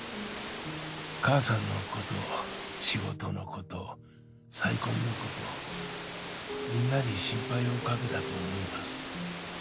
母さんのこと仕事のこと再婚のことみんなに心配をかけたと思います。